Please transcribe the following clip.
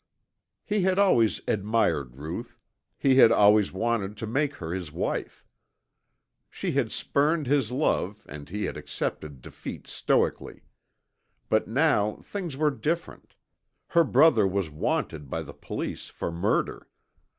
He had always admired Ruth, he had always wanted to make her his wife. She had spurned his love and he had accepted defeat stoically. But now things were different. Her brother was wanted by the police for murder.